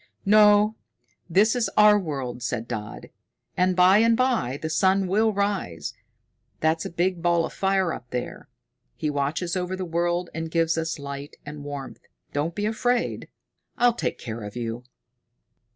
"No, this is our world," said Dodd. "And by and by the sun will rise, that's a big ball of fire up there. He watches over the world and gives us light and warmth. Don't be afraid. I'll take care of you."